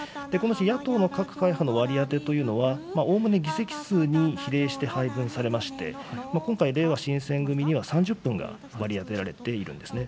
野党の各会派の割り当てというのは、おおむね議席数に比例して配分されまして、今回、れいわ新選組には３０分が割り当てられているんですね。